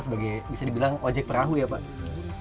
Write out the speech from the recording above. sebagai bisa dibilang ojek perahu ya pak